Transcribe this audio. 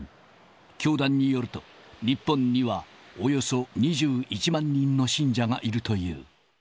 教団によると、日本にはおよそ２１万人の信者がいるという。